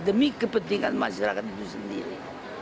demi kepentingan masyarakat itu sendiri